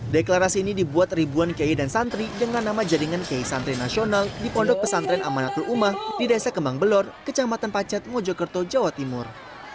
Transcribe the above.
deklarasi ini dibuat ribuan kiai dan santri dengan nama jaringan kiai santri nasional di pondok pesantren amanatul umah di desa kembang belor kecamatan pacet mojokerto jawa timur